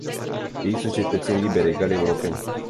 Ei sunt cetățeni liberi, egali europeni.